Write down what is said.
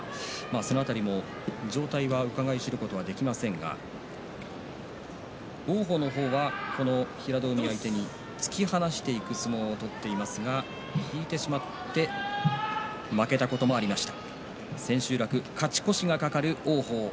その辺り、状態をうかがい知ることはできませんが王鵬の方は平戸海相手に突き放す相撲を取っていますが引いてしまって負けたこともあります。